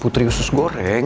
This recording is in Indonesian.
putri usus goreng